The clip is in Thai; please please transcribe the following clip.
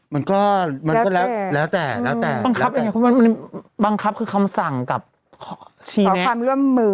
มันก็มันก็แล้วแต่แล้วแต่บังคับยังไงบังคับคือคำสั่งกับขอความร่วมมือ